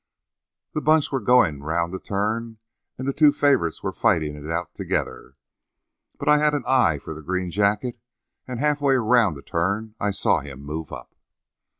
"The bunch were going around the turn and the two favorites were fighting it out together. But I had an eye for the green jacket, and halfway around the turn I saw him move up."